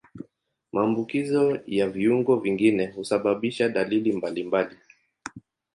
Maambukizi ya viungo vingine husababisha dalili mbalimbali.